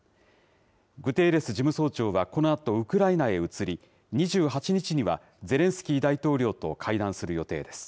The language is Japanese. グテーレス事務総長はこのあとウクライナへ移り、２８日には、ゼレンスキー大統領と会談する予定です。